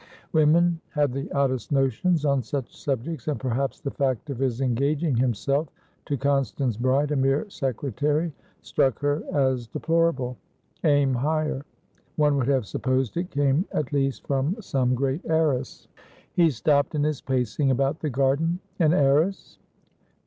Women had the oddest notions on such subjects, and perhaps the fact of his engaging himself to Constance Bride, a mere secretary, struck her as deplorable. "Aim higher." The exhortation was amusing enough. One would have supposed it came at least from some great heiress He stopped in his pacing about the garden. An heiress?